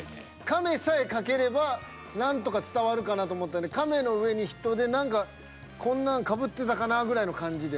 カメさえ描ければ何とか伝わるかなと思ったんでカメの上に人で何かこんなんかぶってたかなぐらいの感じで。